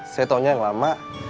saya taunya yang lama